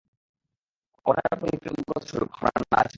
কনের প্রতি কৃতজ্ঞতাস্বরূপ, আমরা নাচব।